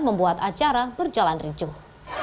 membuat acara berjalan rinjung